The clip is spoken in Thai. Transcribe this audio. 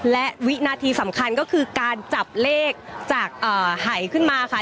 และวินาทีสำคัญก็คือการจับเลขจากหายขึ้นมาค่ะ